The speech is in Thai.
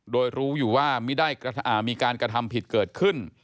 โดยรู้อยู่ว่ามีการกระทำผิดเกิดขึ้น